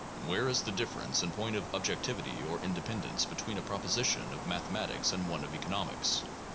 Where is the difference in point of objectivity or independence between a proposition of mathematics and one of economics?